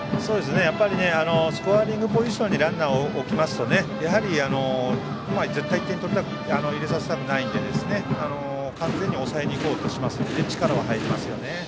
スコアリングポジションにランナーを置きますとやはり、絶対点を入れさせたくないので完全に抑えに行こうとしますので力は入りますよね。